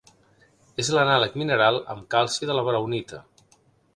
És l'anàleg mineral amb calci de la braunita.